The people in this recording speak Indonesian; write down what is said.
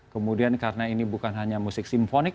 kemudian karena ini bukan hanya musik simfonik